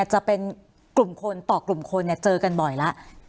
จะเป็นกลุ่มคนต่อกลุ่มคนเจอกันบ่อยแล้ว